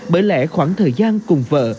bởi lẽ khoảng thời gian cùng vợ